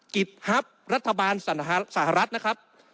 กิจฮับรัฐบาลสหรัฐนะครับ